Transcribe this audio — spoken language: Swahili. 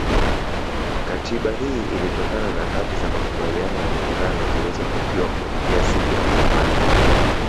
Katiba hii ilitokana na hati za makubaliano ya muungano zilizofikiwa kuelekea siku ya muungano